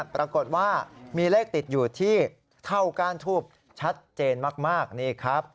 ปรากฏว่ามีเลขติดอยู่ที่เท่าก้านทูบชัดเจนมากนี่ครับ